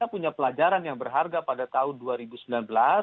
kita punya pelajaran yang berharga pada tahun dua ribu sembilan belas